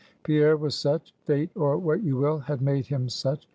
Pierre was such; fate, or what you will, had made him such.